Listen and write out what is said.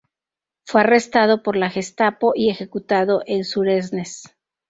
Fue arrestado por la Gestapo y ejecutado en Suresnes.